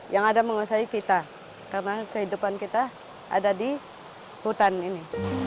yang ada menguasai kita karena kehidupan kita ada di hutan ini